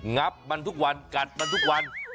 งับมันทุกวันกัดมันทุกวัน